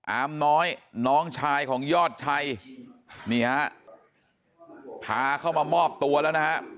อามน้อยน้องชายของยอดชัยนี่ฮะพาเข้ามามอบตัวแล้วนะฮะ